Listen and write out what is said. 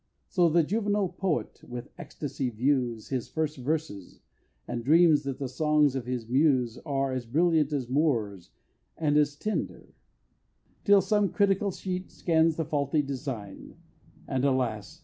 So the juvenile Poet with ecstasy views His first verses, and dreams that the songs of his Muse Are as brilliant as Moore's and as tender Till some critical sheet scans the faulty design, And alas!